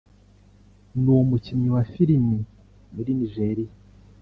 n’umukinnyi wa Filimi muri Nigeria